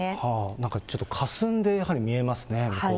なんかちょっとかすんでやはり見えますね、向こう側が。